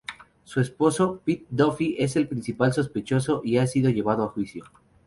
Su esposo, Pete Duffy, es el principal sospechoso y ha sido llevado a juicio.